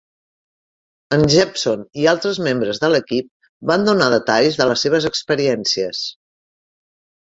En Jeppson i altres membres de l'equip van donar detalls de les seves experiències.